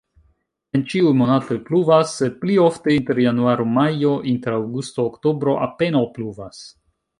En ĉiuj monatoj pluvas, sed pli ofte inter januaro-majo, inter aŭgusto-oktobro apenaŭ pluvas.